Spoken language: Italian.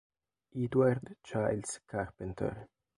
Edward Childs Carpenter